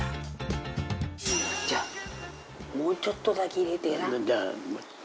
じゃあもうちょっとだけ入れてえな。